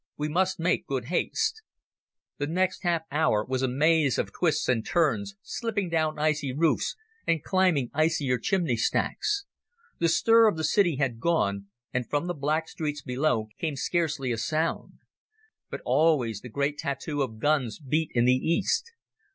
We must make good haste." The next half hour was a maze of twists and turns, slipping down icy roofs and climbing icier chimney stacks. The stir of the city had gone, and from the black streets below came scarcely a sound. But always the great tattoo of guns beat in the east.